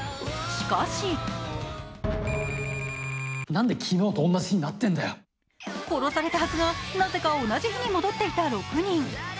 しかし殺されたはずが、なぜか同じ日に戻っていた６人。